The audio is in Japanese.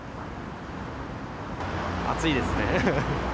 暑いですね。